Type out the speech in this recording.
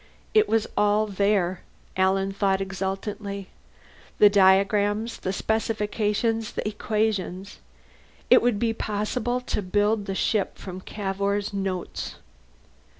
It was all there, Alan thought exultantly: the diagrams, the specifications, the equations. It would be possible to build the ship from Cavour's notes.